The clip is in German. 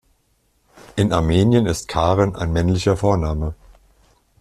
In Armenien ist Karen ein männlicher Vorname.